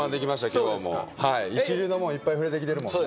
今日はもうはい一流のもんいっぱい触れてきてるもんね